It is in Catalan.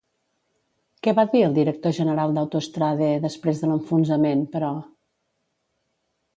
Què va dir el director general d'Autostrade després de l'enfonsament, però?